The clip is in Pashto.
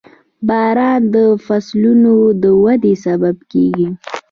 • باران د فصلونو د ودې سبب کېږي.